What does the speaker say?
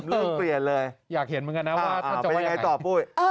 เริ่มเปลี่ยนเลยอยากเห็นเหมือนกันนะว่าเป็นยังไงต่อปุ้ย